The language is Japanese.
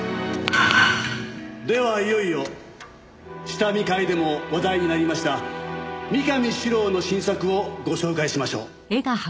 ではいよいよ下見会でも話題になりました三上史郎の新作をご紹介しましょう。